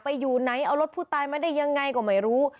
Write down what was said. อยู่ไหนเอารถผู้ตายมาได้ยังไงก็ไม่รู้